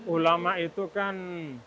ulama itu kan